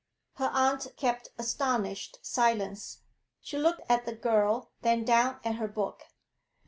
Her aunt kept astonished silence. She looked at the girl, then down at her book.